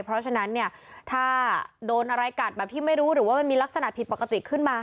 เพราะฉะนั้นเนี่ยถ้าโดนอะไรกัดแบบที่ไม่รู้หรือว่ามันมีลักษณะผิดปกติขึ้นมา